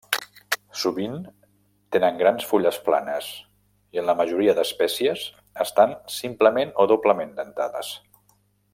Sovint tenen grans fulles planes i en la majoria d'espècies estan simplement o doblement dentades.